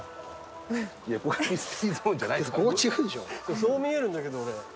そう見えるんだけど俺。